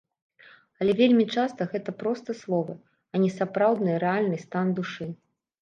Але вельмі часта гэта проста словы, а не сапраўдны рэальны стан душы.